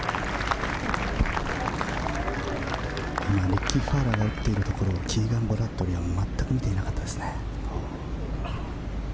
リッキー・ファウラーが打っているところをキーガン・ブラッドリーは全く見ていなかったですね。